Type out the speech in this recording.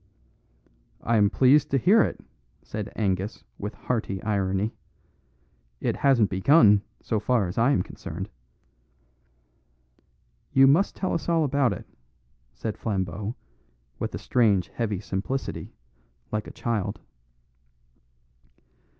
"I am pleased to hear it," said Angus with hearty irony. "It hasn't begun, so far as I am concerned." "You must tell us all about it," said Flambeau with a strange heavy simplicity, like a child.